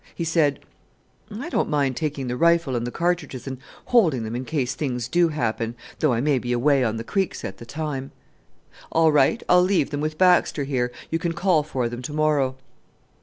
He said, "I don't mind taking the rifle and the cartridges and holding them in case things do happen though I may be away on the creeks at the time." "All right, I leave them with Baxter here; you can call for them to morrow."